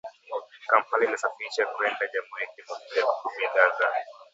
Kampala inasafirisha kwenda jamhuri ya kidemokrasia ya Kongo bidhaa za